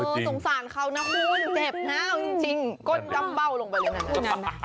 สงสารเขานะคุณเจ็บนะจริงก้นกำเบ้าลงไปเลย